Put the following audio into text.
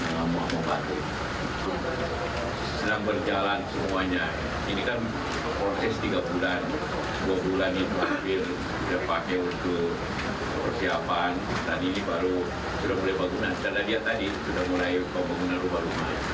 tadi ini baru sudah boleh bangunan sedangkan dia tadi sudah mulai bangunan rumah rumah